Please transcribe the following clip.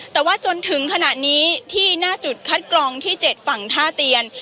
แต่ว่าจนถึงขณะนี้ที่หน้าจุดคัดกรองที่๗ฝั่งท่าเตียน